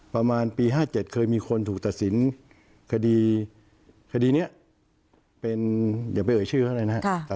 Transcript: ประมาณปี๕๗เคยมีคนถูกตัดสินคดีคดีนี้เป็นอย่าไปเอ่ยชื่อเขาเลยนะครับ